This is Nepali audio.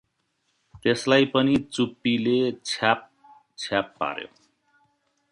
त्यसलाई पनि चुप्पीले छ्यापछ्याप पार्यो ।